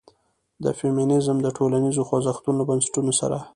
د فيمنيزم د ټولنيزو خوځښتونو له بنسټونو سره